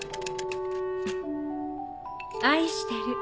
「愛してる」。